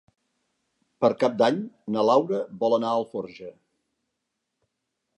Per Cap d'Any na Laura vol anar a Alforja.